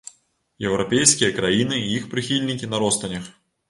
Еўрапейскія краіны і іх прыхільнікі на ростанях.